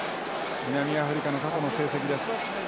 南アフリカの過去の成績です。